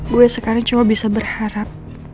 gue sekarang cuma bisa berharap